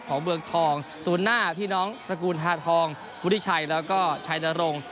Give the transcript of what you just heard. ของเมืองทองศูนย์หน้าพี่น้องตระกูลทาทองวุฒิชัยแล้วก็ชัยนรงค์